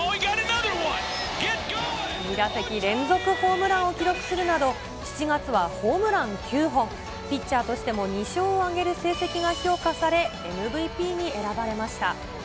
２打席連続ホームランを記録するなど、７月はホームラン９本、ピッチャーとしても２勝を挙げる成績が評価され、ＭＶＰに選ばれました。